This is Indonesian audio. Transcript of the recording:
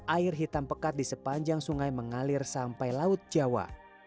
air hitam pekat di sepanjang sungai mengalir sampai laut jawa